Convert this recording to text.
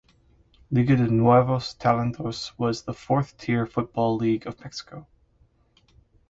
Liga de Nuevos Talentos was the fourth–tier football league of Mexico.